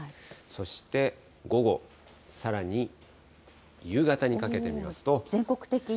そして午後、さらに夕方にかけて見ますと。